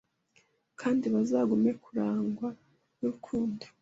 Kandi bazagume kurangwa nurukundo